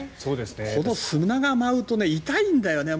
この砂が舞うと痛いんだよね。